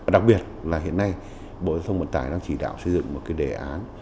đặc biệt là hiện nay bộ thông vận tải đang chỉ đạo xây dựng một đề án